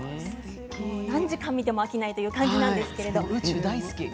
何時間見ても飽きないという感じなんですけれども。